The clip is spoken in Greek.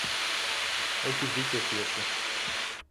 Έχει δίκιο ο θείος σου!